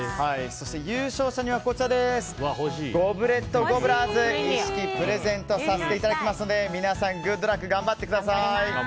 そして、優勝者にはゴブレットゴブラーズ一式をプレゼントさせていただきますので皆さん、グッドラック！頑張ってください。